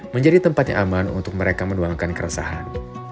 menjadi tempat yang aman untuk mereka menuangkan keresahan